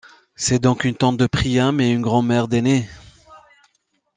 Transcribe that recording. C’est donc une tante de Priam et une grand-mère d’Énée.